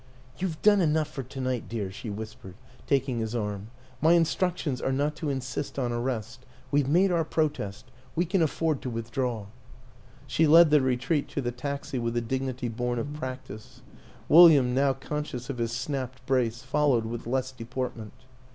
" You have done enough for to night, dear," she whispered, taking his arm. " My instructions are not to insist on arrest. We have made our protest we can afford to withdraw." She led the retreat to the taxi with a dignity born of practice; William, now conscious of his snapped brace, following with less deportment.